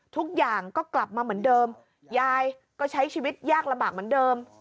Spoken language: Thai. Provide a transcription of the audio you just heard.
ทุกอย่างก็กลับมาเหมือนเดิมยายก็ใช้ชีวิตยากลำบากเหมือนเดิม